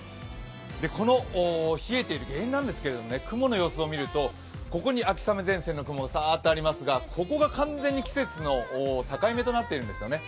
この冷えている原因なんですけど、雲の様子を見るとここに秋雨前線の雲、サーっとありますが、ここが完全に季節の境目となっているんですよね。